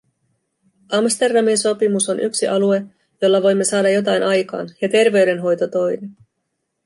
Amsterdamin sopimus on yksi alue, jolla voimme saada jotain aikaan, ja terveydenhoito toinen.